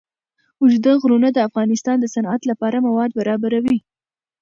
اوږده غرونه د افغانستان د صنعت لپاره مواد برابروي.